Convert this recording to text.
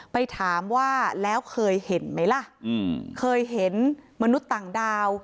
ไปถามว่าแล้วเคยเห็นไหมล่ะเคยเห็นมนุษย์ต่างดาว